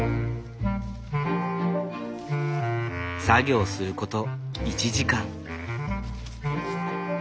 作業すること１時間。